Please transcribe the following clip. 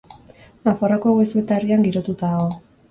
Nafarroako Goizueta herrian girotuta dago.